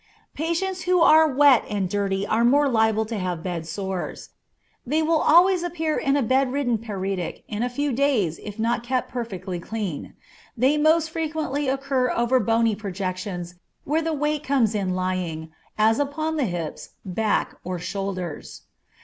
Patients who are wet and dirty are more liable to have bed sores. They will always appear in a bedridden paretic in a few days if not kept perfectly clean. They most frequently occur over bony projections where the weight comes in lying, as upon the hips, back, or shoulders.